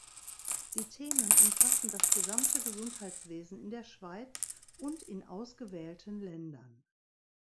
Die Themen umfassen das gesamte Gesundheitswesen in der Schweiz und in ausgewählten Ländern.